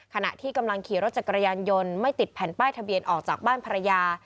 ขณะที่กำลังขี่รถจักรยานยนต์ไม่ติดแผ่นป้ายทะเบียนออกจากบ้านภรรยา